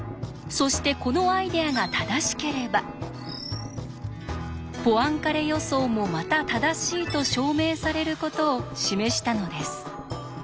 そしてこのアイデアが正しければポアンカレ予想もまた正しいと証明されることを示したのです。